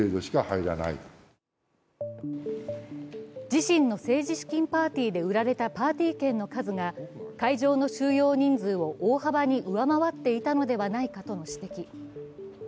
自身の政治資金パーティーで売られたパーティー券の数が会場の収容人数を大幅に上回っていたのではないかとの指摘。